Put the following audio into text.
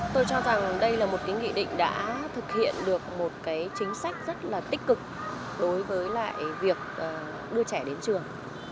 tôi cho rằng đây là một cái nghị định đã thực hiện được một cái chính sách rất là tích cực đối với lại việc đưa trẻ đến trường